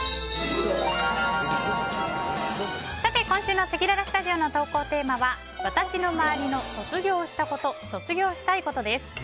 今週のせきららスタジオの投稿テーマは私のまわりの卒業したこと卒業したいことです。